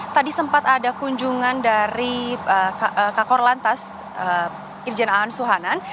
tadi sempat ada kunjungan dari kakor lantas irjen aan suhanan